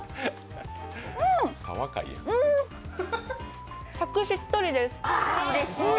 うん、サクしっとりです。